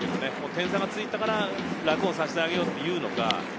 点差がついたから楽をさせてあげようというのか。